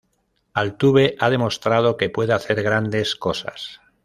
Altuve ha demostrado que puede hacer grandes cosas.